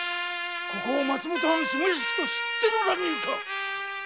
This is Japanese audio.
ここを松本藩下屋敷と知っての乱入か‼